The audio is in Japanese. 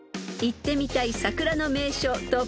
［行ってみたい桜の名所